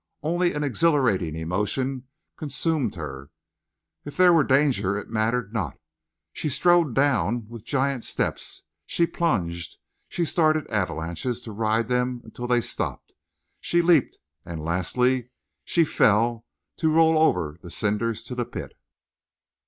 Only an exhilarating emotion consumed her. If there were danger, it mattered not. She strode down with giant steps, she plunged, she started avalanches to ride them until they stopped, she leaped, and lastly she fell, to roll over the soft cinders to the pit.